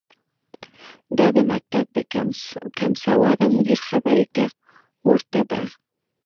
دا د مکتب د کمسواده مدیر خبرې ته ورته ده.